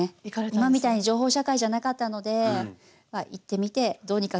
今みたいに情報社会じゃなかったのでまあ行ってみてどうにかなるかなっていう。